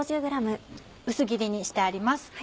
薄切りにしてあります